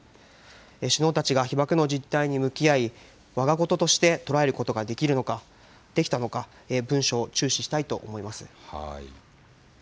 首脳たちが被爆の実態に向き合い、わがこととして捉えることができたのか、文書を注視したいと思います。